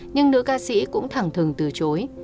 nhưng nữ ca sĩ cũng thẳng thừng từ chối